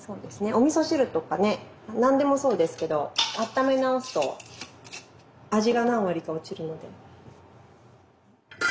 おみそ汁とかね何でもそうですけどあっため直すと味が何割か落ちるので。